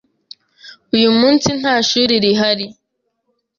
Uyu munsi nta shuri rihari.